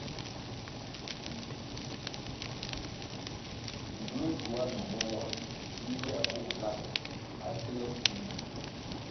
Nzuéh gywuah numbo wa vi nzier bug lambo á kile fil bil.